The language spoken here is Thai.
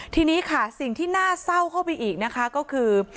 ทีนี้ค่ะสิ่งที่น่าเศร้าเข้าไปอีกนะคะก็คือ